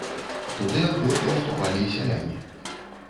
Туды ахвотна ўступалі і сяляне.